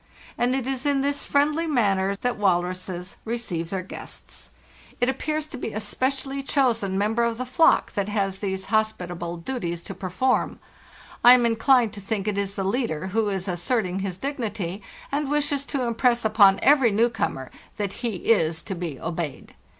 And it is in this friendly manner that walruses receive their guests. It appears IT.—25 386 FARTHEST NORTH to be a specially chosen member of the flock that has these hospitable duties to perform. I am _ inclined to think it is the leader, who is asserting his dignity, and wishes to impress upon every new comer that he is to be obeyed.